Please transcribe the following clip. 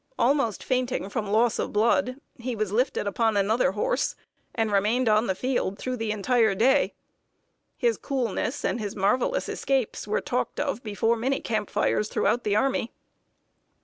Almost fainting from loss of blood, he was lifted upon another horse, and remained on the field through the entire day. His coolness and his marvelous escapes were talked of before many camp fires throughout the army.